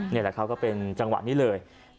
นี่แหละครับก็เป็นจังหวะนี้เลย